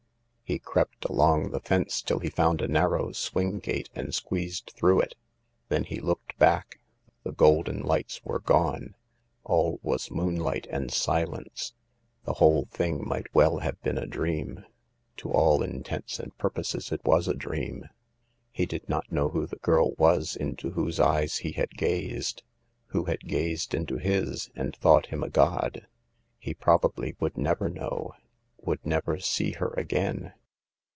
He crept along the fence till he found a narrow swing gate and squeezed through it. Then he looked back. The golden lights were gone. All was moonlight and silence. The whole thing might well have been a dream. To all intents and purposes it was a dream. He did not know who the girl was into whose eyes he had gazed — who had gazed into his and thought him a god. He probably would never know, would never see her again.